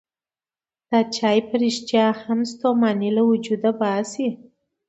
دا چای په رښتیا هم ستوماني له وجوده وباسي.